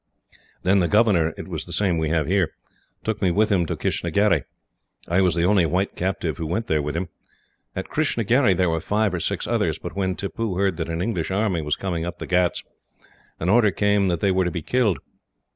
Then the governor it was the same we have here took me with him to Kistnagherry. I was the only white captive who went there with him. At Kistnagherry there were five or six others, but when Tippoo heard that an English army was coming up the ghauts, an order came that they were to be killed.